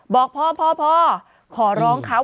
บอกพ่อพ่อขอร้องเขา